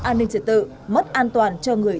an ninh sự tự mất an toàn cho người